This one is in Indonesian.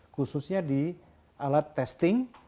khususnya di alat testing